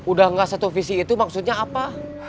udah gak satu visi itu maksudnya apa